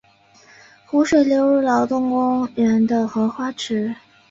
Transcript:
湖水流入劳动公园的荷花池。